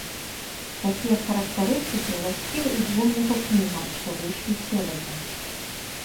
Такія характарыстыкі ўласцівы і двум яго кнігам, што выйшлі сёлета.